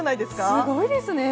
すごいですね。